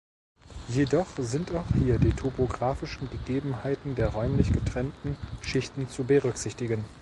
Jedoch sind auch hier die topographischen Gegebenheiten der räumlich getrennten Schichten zu berücksichtigen.